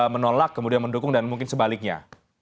menolak kemudian mendukung dan mungkin sebaliknya